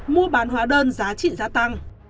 mua bán hóa đơn giá trị giá tăng